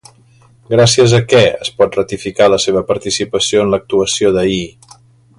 Gràcies a què es pot ratificar la seva participació en l'actuació d'ahir?